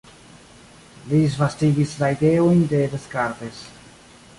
Li disvastigis la ideojn de Descartes.